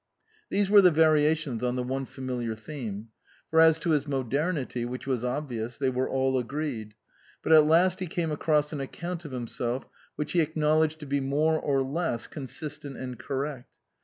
These were the varia tions on the one familiar theme ; for as to his modernity, which was obvious, they were all agreed. But at last he came across an account of himself which he acknowledged to be more or less consistent and correct.